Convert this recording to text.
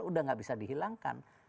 sudah tidak bisa dihilangkan